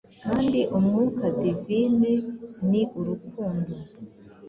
Kandi umwuka Divine ni Urukundo.